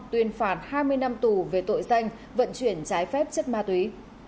tuyên phạt hai mươi năm tù về tội danh vận chuyển trái phép chất ma túy